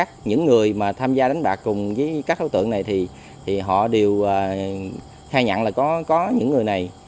những người mà tham gia đánh bạc cùng với các đối tượng này thì họ đều khai nhận là có những người này